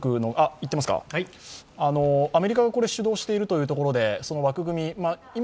アメリカが主導しているということでその枠組み、今、